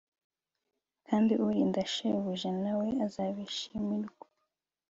kandi urinda shebuja, na we azabishimirwa